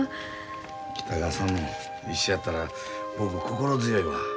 北川さんも一緒やったら僕心強いわ。